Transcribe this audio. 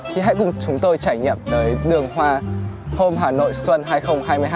thì hãy cùng chúng tôi trải nghiệm tới đường hoa hôm hà nội xuân hai nghìn hai mươi hai